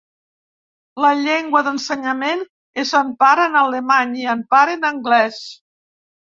La llengua d'ensenyament és en part en alemany i en part en anglès.